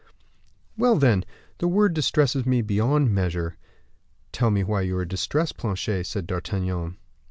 "Well, then, the word distresses me beyond measure." "Tell me why you are distressed, Planchet," said D'Artagnan.